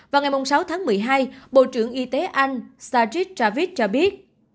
vào ngày sáu tháng một mươi hai bộ trưởng y tế anh sajid javid cho biết